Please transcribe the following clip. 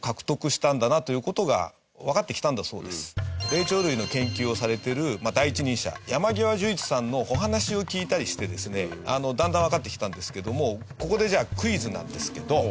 霊長類の研究をされている第一人者山極壽一さんのお話を聞いたりしてですねだんだんわかってきたんですけどもここでじゃあクイズなんですけど。